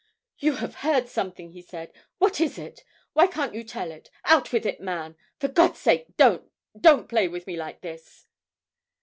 'You have heard something,' he said. 'What is it? Why can't you tell it? Out with it, man! For God's sake, don't don't play with me like this!'